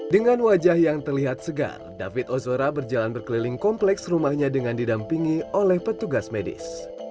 dengan wajah yang terlihat segar david ozora berjalan berkeliling kompleks rumahnya dengan didampingi oleh petugas medis